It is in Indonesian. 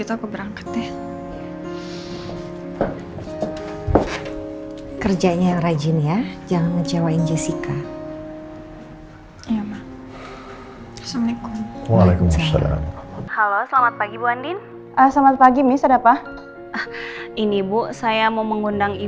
apalagi lagi begini